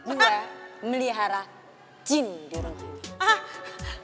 dua melihara jin di rumah